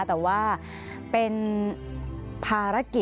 สวัสดีครับทุกคน